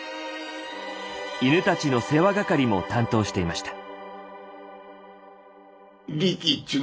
犬たちの世話係も担当していました。